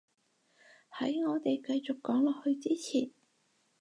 喺我哋繼續講落去之前